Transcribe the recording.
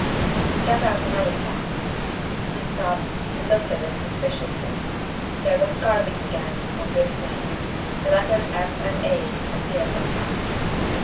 He cut out another plank. He stopped, and looked at it suspiciously. There was carving again, on this plank. The letters F. and A. appeared on it.